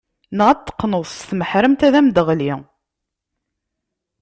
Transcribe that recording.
Neɣ ad t-teqqneḍ s tmeḥremt ad am-d-teɣli.